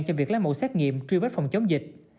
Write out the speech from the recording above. cho việc lấy mẫu xét nghiệm truy vết phòng chống dịch